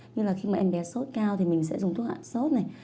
như là khi mà em bé sốt cao thì mình sẽ dùng thuốc hạ sốt này